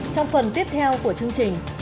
trong phần tiếp theo của chương trình